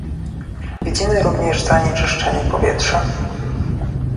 Widzimy również zanieczyszczenie powietrza